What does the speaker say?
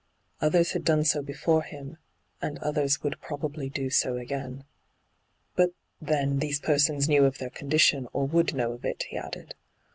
Others had done so before him, and others would probably do so again. ' But, then, these persons knew of their condition, or would know of it,' he added.